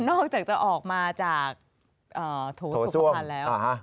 อกจากจะออกมาจากโถสุขภัณฑ์แล้ว